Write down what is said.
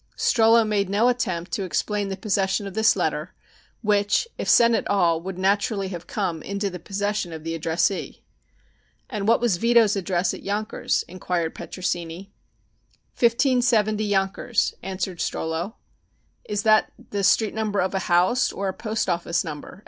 Strollo made no attempt to explain the possession of this letter, which, if sent at all would naturally have come into the possession of the addressee. "And what was Vito's address at Yonkers?" inquired Petrosini. "1570 Yonkers," answered Strollo. "Is that the street number of a house or a post office number?"